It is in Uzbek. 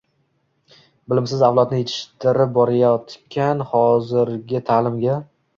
«bilimsiz avlodni yetishtirib berayotgan hozirgi ta’limga